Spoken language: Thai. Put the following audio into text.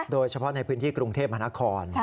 โดยเฉพาะในพื้นที่กรุงเทพมหานคร